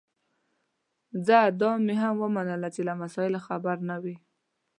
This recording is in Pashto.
ځه دا مي هم ومنله چي له مسایلو خبر نه وې